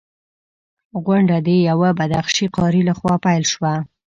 غونډه د یوه بدخشي قاري لخوا پیل شوه.